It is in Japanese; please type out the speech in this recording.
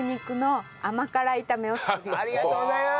ありがとうございます！